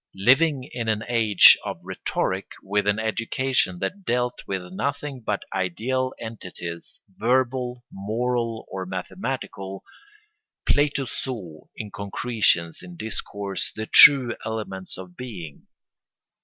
Living in an age of rhetoric, with an education that dealt with nothing but ideal entities, verbal, moral, or mathematical, Plato saw in concretions in discourse the true elements of being.